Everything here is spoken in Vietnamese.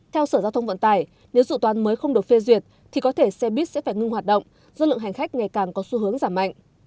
theo sở giao thông vận tải nếu dự toán mới không được phê duyệt thì có thể xe buýt sẽ phải ngưng hoạt động do lượng hành khách ngày càng có xu hướng giảm mạnh